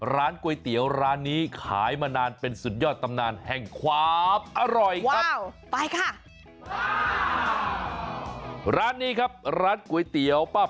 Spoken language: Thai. ร้านก๋วยเตี๋ยวร้านนี้ขายมานานเป็นสุดยอดตำนานแห่งความอร่อยครับ